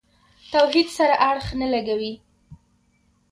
توحید سره اړخ نه لګوي.